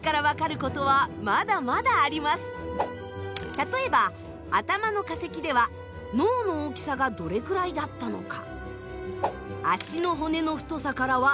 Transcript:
例えば頭の化石では脳の大きさがどれくらいだったのか。